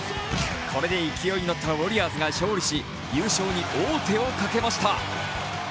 これで勢いに乗ったウォリアーズが勝利し、優勝に王手をかけました。